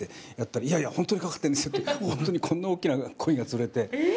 いやいや、ホントにかかってるんですよってこんな大きな鯉が釣れて。